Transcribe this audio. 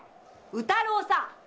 宇太郎さん！